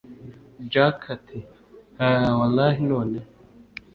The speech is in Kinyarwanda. jack ati haha wallah noneho